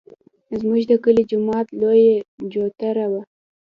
زموږ د کلي د جومات لویه چوتره وه.